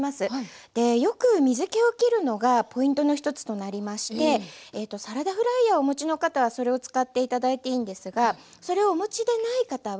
でよく水けをきるのがポイントの一つとなりましてサラダフライヤーお持ちの方はそれを使って頂いていいんですがそれをお持ちでない方はこういう。